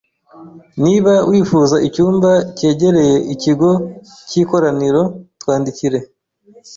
Niba wifuza icyumba cyegereye ikigo cy’ikoraniro, twandikire.